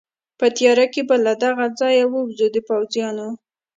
په تېاره کې به له دغه ځایه ووځو، د پوځیانو.